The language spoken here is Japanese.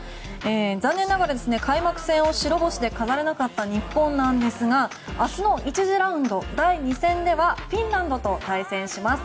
残念ながら開幕戦を白星で飾れなかった日本なんですが明日の１次ラウンド第２戦ではフィンランドと対戦します。